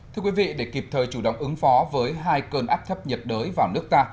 thưa quý vị để kịp thời chủ động ứng phó với hai cơn áp thấp nhiệt đới vào nước ta